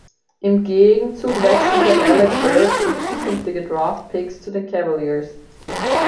Im Gegenzug wechselte Alec Burks und künftige Draftpicks zu den Cavaliers.